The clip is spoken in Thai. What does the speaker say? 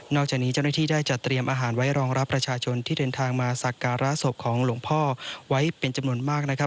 จากนี้เจ้าหน้าที่ได้จัดเตรียมอาหารไว้รองรับประชาชนที่เดินทางมาสักการะศพของหลวงพ่อไว้เป็นจำนวนมากนะครับ